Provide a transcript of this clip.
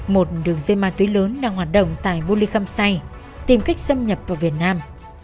một đường dây ma túy lớn đang hoạt động tại bô ly khâm say tìm cách xâm nhập vào việt nam